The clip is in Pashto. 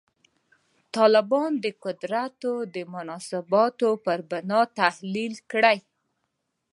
طالبان د قدرت د مناسباتو پر بنا تحلیل کړي.